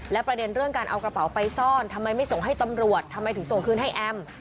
และประเด็นเรื่องการเอากระเป๋าไปซ่อนทำไมไม่ส่งให้ตำรวจทำไมถึงส่งคืนให้แอม